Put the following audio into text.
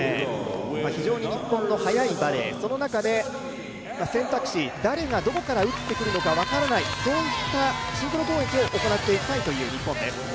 非常に日本の速いバレー、その中で選択肢、誰がどこから打ってくるのか分からない、そういったシンクロ攻撃を行っていきたいという日本です。